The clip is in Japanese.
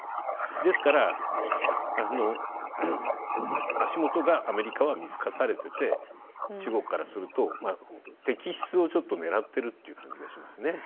ですから、足元がアメリカは見透かされてて中国からすると敵失をちょっと狙っているという感じがしますね。